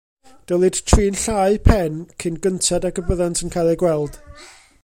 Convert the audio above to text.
Dylid trin llau pen cyn gynted ag y byddant yn cael eu gweld.